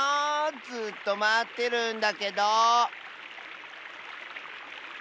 ずっとまってるんだけど。